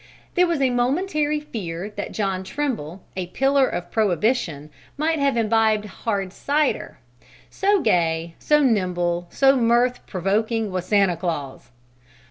There was a momentary fear that John Trimble, a pillar of prohibition, might have imbibed hard cider; so gay, so nimble, so mirth provoking was Santa Claus.